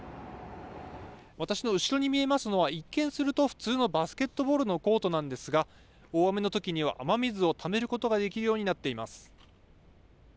私の後ろに見えますのは、一見すると普通のバスケットボールのコートなんですが、大雨のときには雨水をためることができるようになっています。